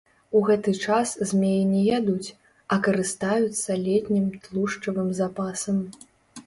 У гэты час змеі не ядуць, а карыстаюцца летнім тлушчавым запасам.